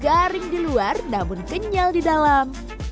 garing di luar namun kenyal di dalam